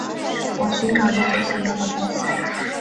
我寻找已久想要的东西